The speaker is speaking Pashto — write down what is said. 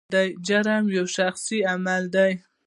جرم یو شخصي عمل دی.